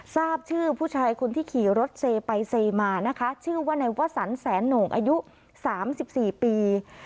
ทราบชื่อผู้ชายคนที่ขี่รถเซไปเซมานะคะชื่อว่านายวสันแสนโหน่งอายุ๓๔ปี